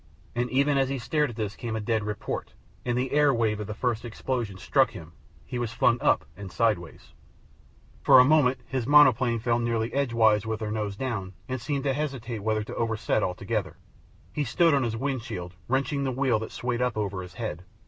And even as he stared at this came a dead report; and the air wave of the first explosion struck him. He was flung up and sideways. For a moment his monoplane fell nearly edgewise with her nose down, and seemed to hesitate whether to overset altogether. He stood on his wind shield, wrenching the wheel that swayed up over his head.